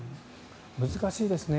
難しいですね。